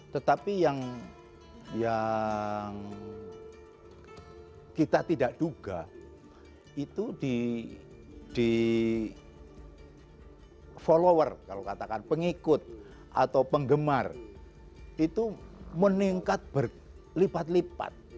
tetapi yang kita tidak duga itu di follower kalau katakan pengikut atau penggemar itu meningkat berlipat lipat